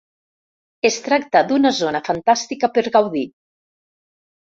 Es tracta d’una zona fantàstica per gaudir.